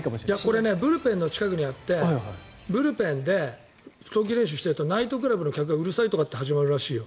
これブルペンの近くにあってブルペンで投球練習しているとナイトクラブの客がうるさいとかって始まるらしいよ。